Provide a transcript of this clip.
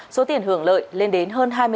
số tiền hưởng lợi lên đến hơn một triệu đồng